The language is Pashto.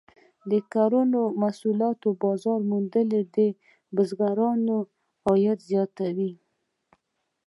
د کرنیزو محصولاتو بازار موندنه د بزګرانو عاید زیاتوي.